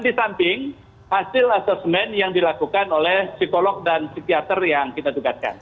di samping hasil asesmen yang dilakukan oleh psikolog dan psikiater yang kita tugaskan